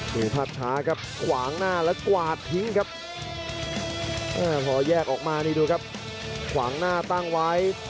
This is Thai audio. เข้าไปได้โดยรอบหนี้